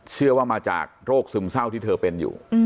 เชื่อว่ามาจากโรคซึมเศร้าที่เธอเป็นอยู่